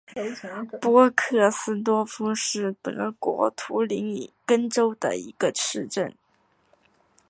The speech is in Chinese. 波克斯多夫是德国图林根州的一个市镇。